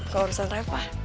gak urusan reva